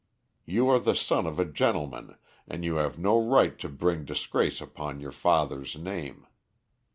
You are the son of a gentleman, and you have no right to bring disgrace upon your father's name.